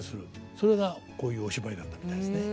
それがこういうお芝居だったみたいですね。